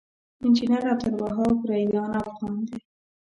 انجنير عبدالوهاب ريان افغان دی